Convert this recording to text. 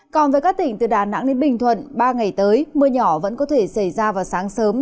còn với các tỉnh từ đà nẵng đến bình thuận ba ngày tới mưa nhỏ vẫn có thể xảy ra vào sáng sớm